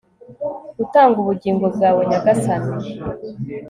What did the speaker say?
gutanga ubugingo bwawe nyagasani